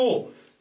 何？